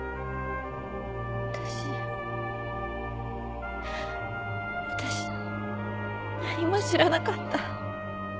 私私何も知らなかった。